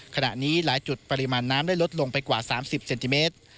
ขณะนี้หลายจุดปริมาณน้ำได้ลดลงไปกว่า๓๐เซนติเมตร